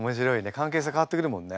関係性変わってくるもんね。